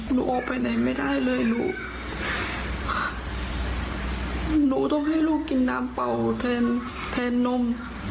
หนูออกไปไหนไม่ได้เลยลูกหนูต้องให้ลูกกินน้ำเป่าแทนแทนนม